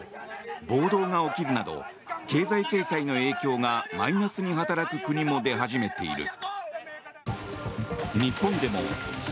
暴動が起きるなど経済制裁の影響がマイナスに働く国も出始めている。